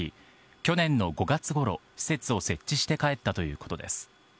去年の５月ごろ、施設を設置して帰ったということです。